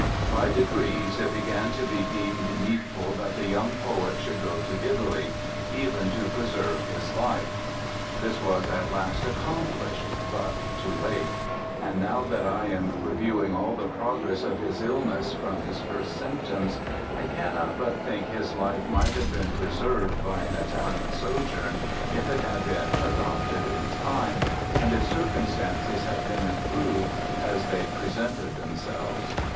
By degrees it began to be deemed needful that the young poet should go to Italy, even to preserve his life. This was at last accomplished, but too late; and now that I am reviewing all the progress of his illness from his first symptoms, I cannot but think his life might have been preserved by an Italian sojourn, if it had been adopted in time, and if circumstances had been improved as they presented themselves.